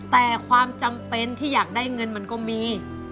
แต่ความจำเป็นที่อยากได้เงินมันก็มี